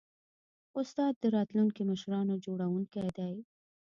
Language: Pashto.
استاد د راتلونکو مشرانو جوړوونکی دی.